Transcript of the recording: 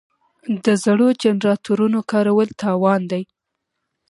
د زړو جنراتورونو کارول تاوان دی.